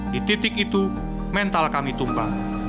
di titik itu mental kami tumpah